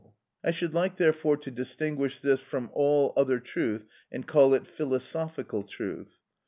I should like therefore to distinguish this from all other truth, and call it κατ᾽ εξοχην philosophical truth.